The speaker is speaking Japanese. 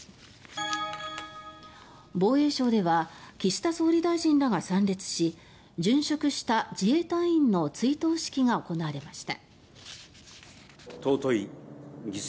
防衛省では岸田総理大臣らが参列し殉職した自衛隊員の追悼式が行われました。